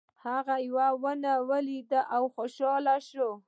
هغه یوه ونه ولیده او خوشحاله شو.